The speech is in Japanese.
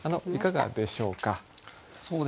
いかがでしょうか？